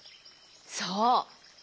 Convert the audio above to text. そう。